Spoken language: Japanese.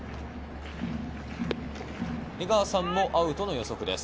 江川さんもアウトの予測です。